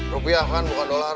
rupiah kan bukan dolar